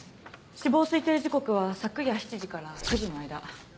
死亡推定時刻は昨夜７時から９時の間。